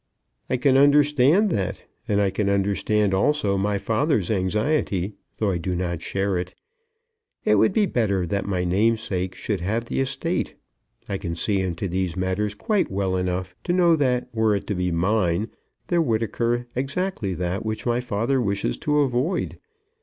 "I can understand that; and I can understand also my father's anxiety, though I do not share it. It would be better that my namesake should have the estate. I can see into these matters quite well enough to know that were it to be mine there would occur exactly that which my father wishes to avoid.